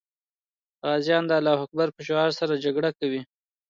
غازیان د الله اکبر په شعار سره جګړه کوي.